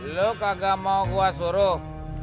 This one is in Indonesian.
lo kagak mau kuas suruh